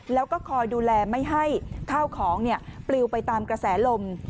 แล้วก็คอยดูแลไม่ให้ข้าวของปลิวไปตามกระแสลม